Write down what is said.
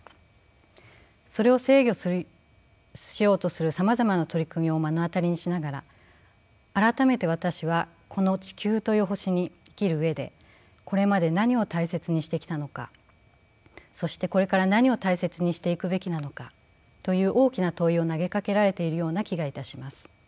それを制御しようとするさまざまな取り組みを目の当たりにしながら改めて私はこの地球という星に生きる上でこれまで何を大切にしてきたのかそしてこれから何を大切にしていくべきなのかという大きな問いを投げかけられているような気がいたします。